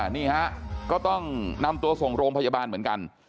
นี่ฮะก็ต้องนำตัวส่งโรงพยาบาลเหมือนกัน